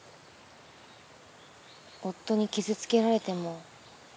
夫に傷つけられても。